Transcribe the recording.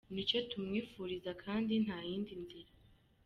Nicyo tumwifuriza kandi nta yindi nzira.